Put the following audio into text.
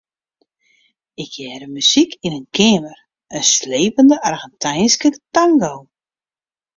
Ik hearde muzyk yn in keamer, in slepende Argentynske tango.